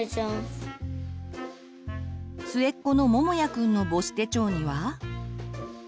末っ子のももやくんの母子手帳には。